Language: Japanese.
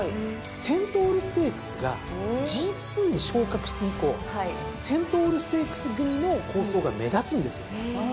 セントウルステークスがＧⅡに昇格して以降セントウルステークス組の好走が目立つんですよ。